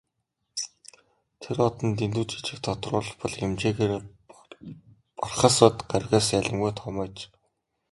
Тэр од нь дэндүү жижиг, тодруулбал хэмжээгээрээ Бархасбадь гаригаас ялимгүй том аж.